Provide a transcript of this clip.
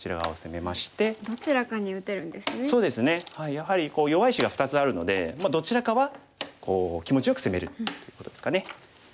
やはり弱い石が２つあるのでどちらかは気持ちよく攻めれるっていうことですかね。